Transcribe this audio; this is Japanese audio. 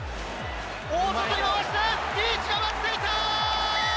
大外に回した、リーチが待っていた。